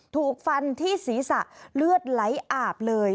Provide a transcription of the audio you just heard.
ถูกฟันที่ศีรษะเลือดไหลอาบเลย